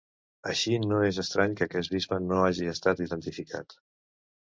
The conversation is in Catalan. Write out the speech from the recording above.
Així no és estrany que aquest bisbe no hagi estat identificat.